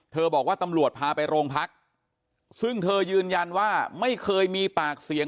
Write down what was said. บอกว่าตำรวจพาไปโรงพักซึ่งเธอยืนยันว่าไม่เคยมีปากเสียง